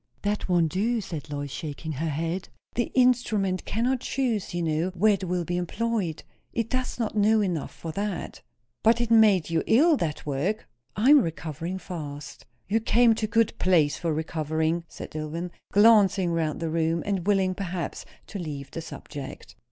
"That won't do," said Lois, shaking her head. "The instrument cannot choose, you know, where it will be employed. It does not know enough for that." "But it made you ill, that work." "I am recovering fast." "You came to a good place for recovering," said Dillwyn, glancing round the room, and willing, perhaps, to leave the subject.